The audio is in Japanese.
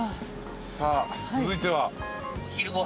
さあ続いては？